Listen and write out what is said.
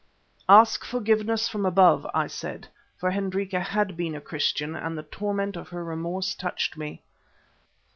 "Ask forgiveness from above," I said, for Hendrika had been a Christian, and the torment of her remorse touched me.